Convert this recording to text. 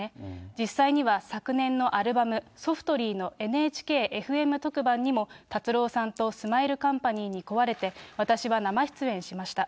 実際には、昨年のアルバム、ソフトリーのＮＨＫーＦＭ特番にも達郎さんとスマイルカンパニーに請われて、私は生出演しました。